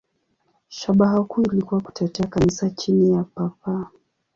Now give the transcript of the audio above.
Shabaha kuu ilikuwa kutetea Kanisa chini ya Papa.